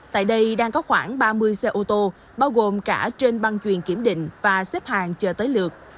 tại đây đang có khoảng ba mươi xe ô tô bao gồm cả trên băng chuyền kiểm định và xếp hàng chờ tới lượt